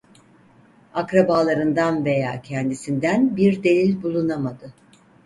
Akrabalarından veya kendisinden bir delil bulunamadı.